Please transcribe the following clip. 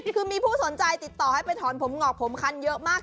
คือมีผู้สนใจติดต่อให้ไปถอนผมงอกผมคันเยอะมาก